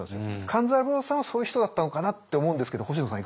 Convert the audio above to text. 勘三郎さんはそういう人だったのかなと思うんですけど星野さん